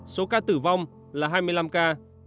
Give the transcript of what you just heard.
số ca tử vong là hai mươi năm ca